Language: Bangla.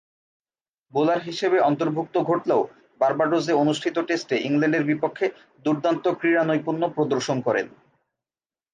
বোলার হিসেবে অন্তর্ভুক্ত ঘটলেও বার্বাডোসে অনুষ্ঠিত টেস্টে ইংল্যান্ডের বিপক্ষে দূর্দান্ত ক্রীড়ানৈপুণ্য প্রদর্শন করেন।